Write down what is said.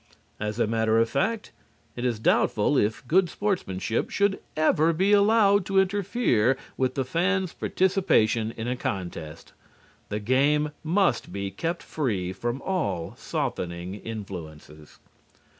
As a matter of fact, it is doubtful if good sportsmanship should ever be allowed to interfere with the fan's participation in a contest. The game must be kept free from all softening influences.